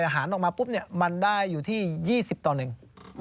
หารออกมาปุ๊บเนี่ยมันได้อยู่ที่๒๐ต่อหนึ่ง